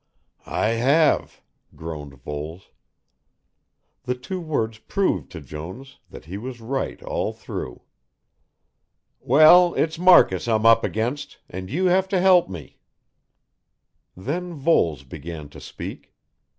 "I have," groaned Voles. The two words proved to Jones that he was right all through. "Well, it's Marcus I'm up against, and you have to help me." Then Voles began to speak.